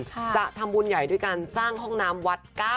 จะทำบุญใหญ่ด้วยการสร้างห้องน้ำวัด๙วัดหน่อยล่ะค่ะ